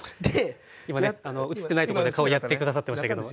今ね映ってないとこで顔やって下さってましたけども。